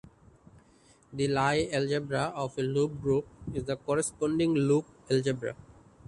The Lie algebra of a loop group is the corresponding loop algebra.